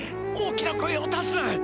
大きな声を出すな。